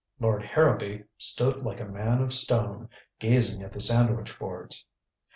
Lord Harrowby stood like a man of stone, gazing at the sandwich boards.